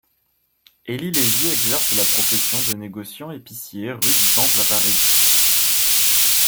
Élie Lévy exerce la profession de négociant épicier rue du Temple à Paris.